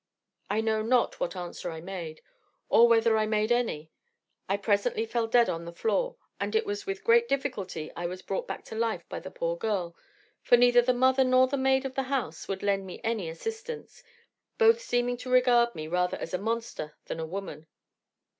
"I know not what answer I made, or whether I made any. I presently fell dead on the floor, and it was with great difficulty I was brought back to life by the poor girl, for neither the mother nor the maid of the house would lend me any assistance, both seeming to regard me rather as a monster than a woman.